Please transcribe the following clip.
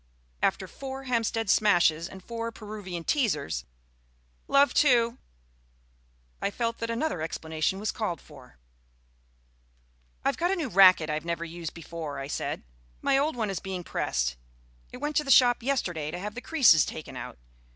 After four Hampstead Smashes and four Peruvian Teasers (love, two) I felt that another explanation was called for. "I've got a new racquet I've never used before," I said. "My old one is being pressed; it went to the shop yesterday to have the creases taken out.